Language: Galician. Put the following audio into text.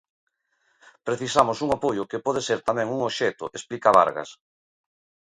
Precisamos un apoio, que pode ser tamén un obxecto, explica Vargas.